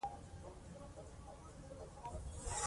په شل کې دا رقم شپېته سلنې ته رسېده.